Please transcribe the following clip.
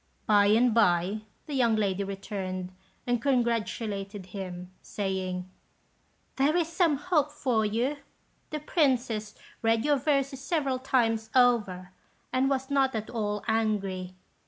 By and by, the young lady returned and congratulated him, saying, "There is some hope for you. The Princess read your verses several times over, and was not at all angry.